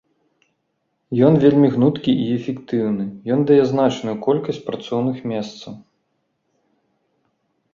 Ён вельмі гнуткі і эфектыўны, ён дае значную колькасць працоўных месцаў.